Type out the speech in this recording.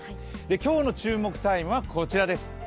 今日の注目タイムはこちらです。